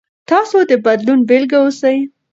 تاسو د بدلون بیلګه اوسئ.